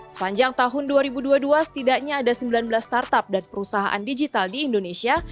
sepanjang tahun dua ribu dua puluh dua setidaknya ada sembilan belas startup dan perusahaan digital di indonesia